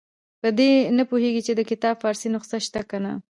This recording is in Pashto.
په دې نه پوهېږي چې د کتاب فارسي نسخه شته که نه.